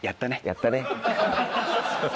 やったね。